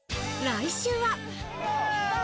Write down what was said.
来週は。